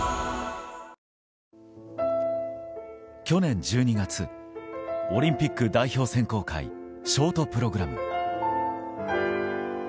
去年１２月、オリンピック代表選考会ショートプログラム。